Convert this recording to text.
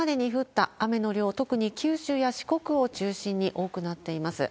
ただ、これまでに降った雨の量、特に九州や四国を中心に多くなっています。